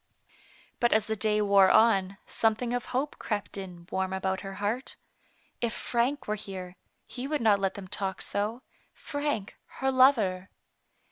But as the day wore on, something of hope crept in warm about her heart. If Frank were here, he would not let them talk so — Frank, her lover.